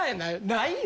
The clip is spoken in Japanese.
ないよ。